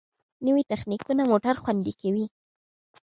نوې تخنیکونه موټر خوندي کوي.